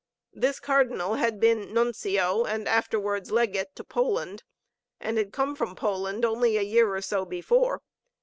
This Cardinal had been Nuncio, and afterwards Legate, to Poland, and had come from Poland only a year or so before.